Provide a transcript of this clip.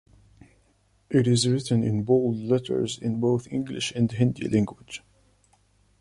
It is written in Bold letters in both English and Hindi language.